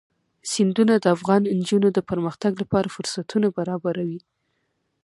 سیندونه د افغان نجونو د پرمختګ لپاره فرصتونه برابروي.